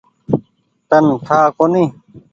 تن ٺآ ڪونيٚ ۔